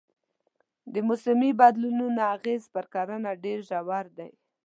د موسمي بدلونونو اغېز پر کرنه ډېر ژور دی.